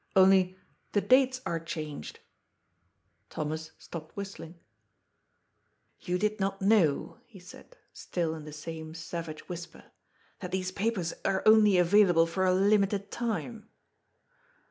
Only, the dates are changed." Thomas stopped whistling. " You did not know," he said, still in the same savage whisper, " that these papers are only available for a limited time."